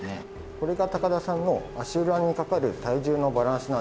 これが高田さんの足裏にかかる体重のバランスなんですけど。